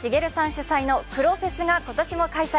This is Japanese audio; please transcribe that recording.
主催の黒フェスが今年も開催。